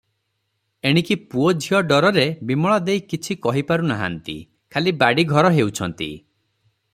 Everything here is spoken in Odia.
ଏଣିକି ପୁଅ ଝିଅ ଡରରେ ବିମଳା ଦେଈ କିଛି କହି ପାରୁନାହାନ୍ତି, ଖାଲି ବାଡ଼ି ଘର ହେଉଛନ୍ତି ।